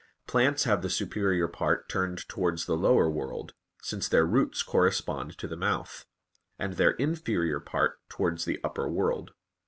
Plants have the superior part turned towards the lower world, since their roots correspond to the mouth; and their inferior part towards the upper world.